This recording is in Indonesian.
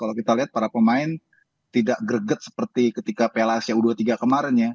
kalau kita lihat para pemain tidak greget seperti ketika piala asia u dua puluh tiga kemarin ya